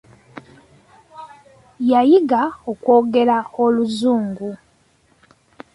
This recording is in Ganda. Yayiga okwogera oluzungu.